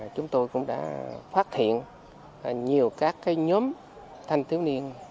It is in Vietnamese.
chúng tôi cũng đã phát hiện nhiều các nhóm thanh thiếu niên